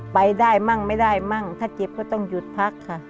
ไปได้มั่งไม่ได้มั่งถ้าเจ็บก็ต้องหยุดพักค่ะ